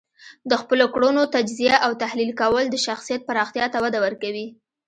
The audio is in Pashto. د خپلو کړنو تجزیه او تحلیل کول د شخصیت پراختیا ته وده ورکوي.